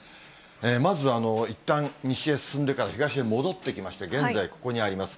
まずいったん西へ進んでから、東へ戻ってきまして、現在、ここにあります。